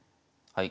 はい。